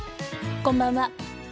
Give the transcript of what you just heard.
こんばんは。